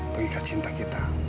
perikah cinta kita